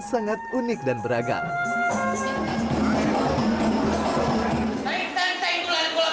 sangat unik dan beragam